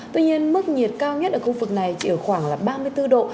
tuy nhiên mức nhiệt cao nhất ở khu vực này chỉ ở khoảng ba mươi bốn độ